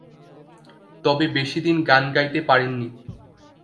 তবে বেশিদিন গান গাইতে পারেন নি।